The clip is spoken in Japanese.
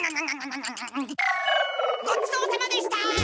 ごちそうさまでした！